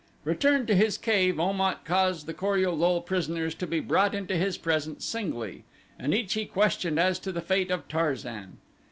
Returned to his cave Om at caused the Kor ul lul prisoners to be brought into his presence singly, and each he questioned as to the fate of Tarzan.